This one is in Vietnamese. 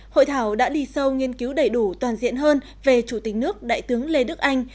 hội thảo đã đi sâu nghiên cứu đầy đủ toàn diện hơn về chủ tịch nước đại tướng lê đức anh